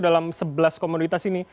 dalam sebelas komunitas ini